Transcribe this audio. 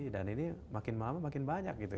dan ini makin lama makin banyak gitu ya